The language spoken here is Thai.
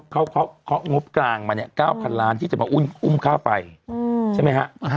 เขางบกลางมา๙๐๐๐ล้านที่จะมาอุ้มค่าไฟใช่ไหมคะ